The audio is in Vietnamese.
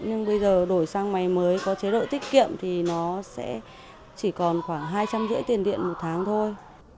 nhưng bây giờ đổi sang máy mới có chế độ tiết kiệm thì nó sẽ chỉ còn khoảng hai trăm linh rưỡi tiền điện một tháng thôi